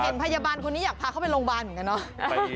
เห็นพยาบาลคนนี้อยากพาเขาไปโรงพยาบาลเหมือนกันเนาะ